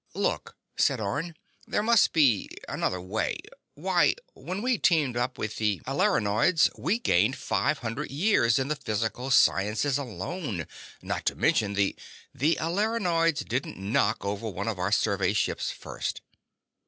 "Look," said Orne. "There must be another way. Why ... when we teamed up with the Alerinoids we gained five hundred years in the physical sciences alone, not to mention the—" "The Alerinoids didn't knock over one of our survey ships first."